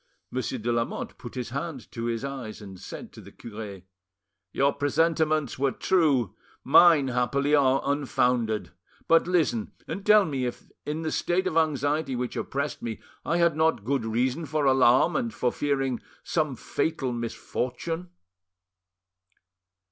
Monsieur de Lamotte put his hand to his eyes, and said to the cure— "Your presentiments were true; mine, happily, are unfounded. But listen, and tell me if in the state of anxiety which oppressed me I had not good reason for alarm and for fearing some fatal misfortune."